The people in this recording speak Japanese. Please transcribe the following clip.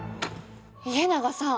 家長さん！